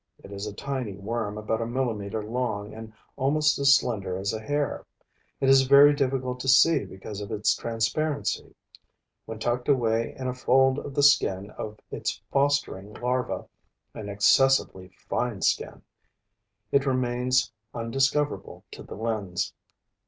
It is a tiny worm about a millimeter long and almost as slender as a hair. It is very difficult to see because of its transparency. When tucked away in a fold of the skin of its fostering larva, an excessively fine skin, it remains undiscoverable to the lens.